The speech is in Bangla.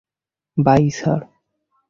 By sir.